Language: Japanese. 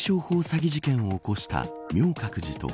詐欺事件を起こした明覚寺と